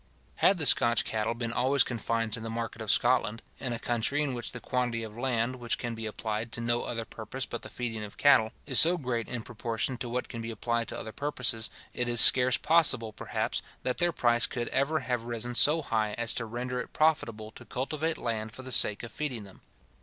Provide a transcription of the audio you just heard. Had the Scotch cattle been always confined to the market of Scotland, in a country in which the quantity of land, which can be applied to no other purpose but the feeding of cattle, is so great in proportion to what can be applied to other purposes, it is scarce possible, perhaps, that their price could ever have risen so high as to render it profitable to cultivate land for the sake of feeding them.